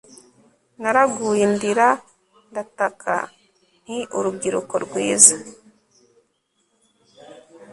Naraguye ndira ndataka nti Urubyiruko rwiza